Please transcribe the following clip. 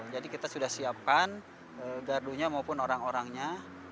jadi kita sudah siapkan gardunya maupun orang orangnya